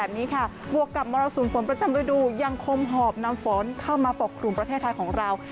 แบบนี้ค่ะบวกกับมรสุมฝนประจำฤดูยังคงหอบนำฝนเข้ามาปกครุมประเทศไทยของเรา